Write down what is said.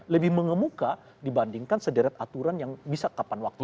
lebih mengemuka dibandingkan sederet aturan yang bisa kapan waktu